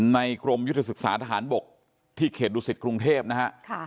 กรมยุทธศึกษาทหารบกที่เขตดุสิตกรุงเทพนะฮะ